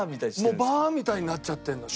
もうバーみたいになっちゃってるの。